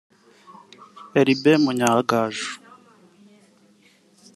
Herbert Munyangaju